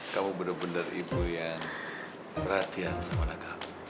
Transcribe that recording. kamu bener bener ibu yang perhatian sama anak kamu